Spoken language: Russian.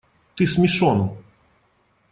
Ты смешон.